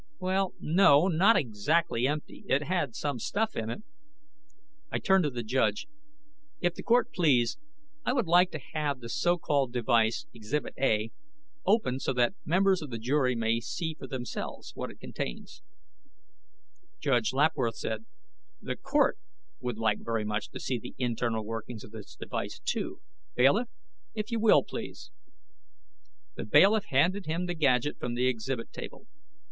"Well, no. Not exactly empty. It had some stuff in it." I turned to the judge. "If the Court please, I would like to have the so called device, Exhibit A, opened so that the members of the jury may see for themselves what it contains." Judge Lapworth said: "The Court would like very much to see the internal workings of this device, too. Bailiff, if you will, please." The bailiff handed him the gadget from the exhibit table.